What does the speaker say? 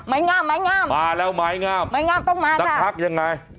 งามไม้งามมาแล้วไม้งามไม้งามต้องมาสักพักยังไง